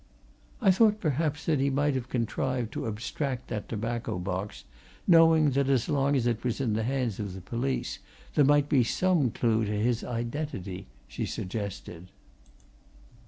"I thought perhaps that he might have contrived to abstract that tobacco box, knowing that as long as it was in the hands of the police there might be some clue to his identity," she suggested.